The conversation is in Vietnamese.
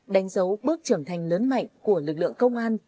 đánh dấu bước trưởng thành lớn mạnh của lực lượng công an